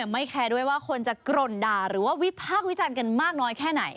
ไม่แคร์ด้วยว่าคนจะกรนด่าหรือว่าวิพากษ์วิจารณ์กันมากน้อยแค่ไหน